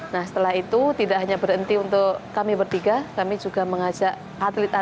nah setelah itu tidak hanya berhenti untuk kami bertiga kami juga mengajak atlet atlet lain di seluruh negara